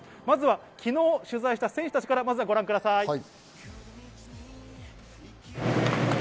まずは昨日取材した選手たちからご覧ください。